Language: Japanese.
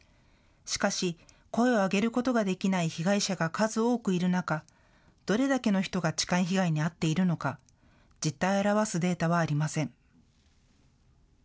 しかし声を上げることができない被害者が数多くいる中、どれだけの人が痴漢被害に遭っているのか実態を表すデータはありません。